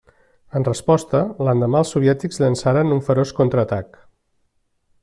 En resposta, l'endemà els soviètics llançaren un feroç contraatac.